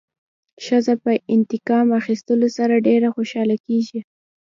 ښځه په انتقام اخیستلو سره ډېره خوشحاله کېږي.